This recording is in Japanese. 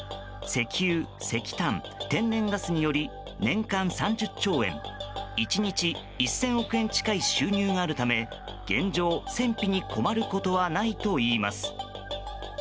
石油、石炭、天然ガスにより年間３０兆円１日、１０００億円近い収入があるため現状、戦費に困ることはないといいます。